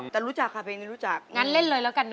แต่รู้จักค่ะเพลงนี้รู้จัก